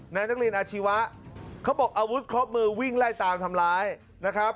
นักเรียนอาชีวะเขาบอกอาวุธครบมือวิ่งไล่ตามทำร้ายนะครับ